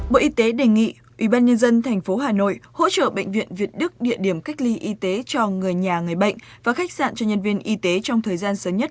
bộ y tế đề nghị ubnd tp hà nội hỗ trợ bệnh viện việt đức địa điểm cách ly y tế cho người nhà người bệnh và khách sạn cho nhân viên y tế trong thời gian sớm nhất